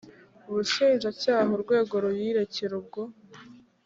ubushinjacyaha urwego ruyirekera ubwo